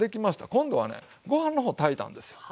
今度はねご飯の方炊いたんですよ。